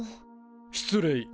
失礼。